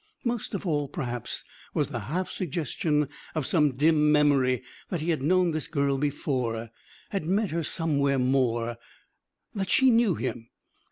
Most of all, perhaps, was the half suggestion of some dim memory that he had known this girl before, had met her somewhere, more that she knew him.